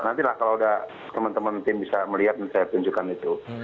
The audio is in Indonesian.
nantilah kalau udah teman teman tim bisa melihat dan saya tunjukkan itu